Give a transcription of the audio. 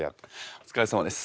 お疲れさまです。